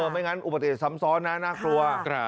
ไม่งั้นอุปสรรค์สำซ้อนนะน่ากลัว